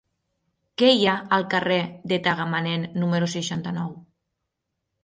Què hi ha al carrer de Tagamanent número seixanta-nou?